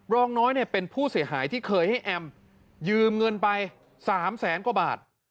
รองน้อยเนี่ยเป็นผู้เสียหายที่เคยให้แอมยืมเงินไป๓แสนกว่าบาท